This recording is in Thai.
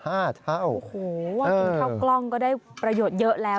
โอ้โหว่ากินข้าวกล้องก็ได้ประโยชน์เยอะแล้ว